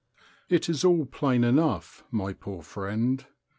It is all plain enough, my poor friend!